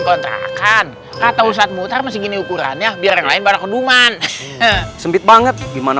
kontrakan atau saat mutar masih gini ukurannya biar lain barang keduman sempit banget gimana